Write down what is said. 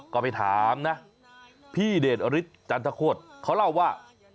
ก็ไปถามนะพี่เดชฤทธิ์จันทโคตรเขาเล่าว่า